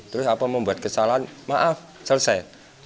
terus apa membuat kesalahan maaf selesai